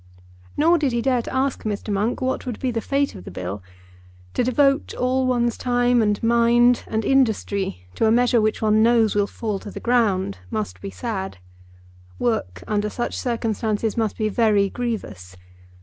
Nor did he dare to ask Mr. Monk what would be the fate of the Bill. To devote all one's time and mind and industry to a measure which one knows will fall to the ground must be sad. Work under such circumstances must be very grievous.